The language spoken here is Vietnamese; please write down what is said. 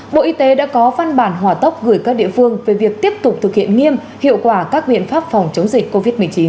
bộ y tế đã có văn bản hòa tốc gửi các địa phương về việc tiếp tục thực hiện nghiêm hiệu quả các biện pháp phòng chống dịch covid một mươi chín